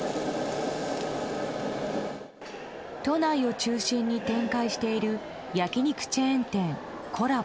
都内を中心に展開している焼き肉チェーン店ＫｏｌｌａＢｏ。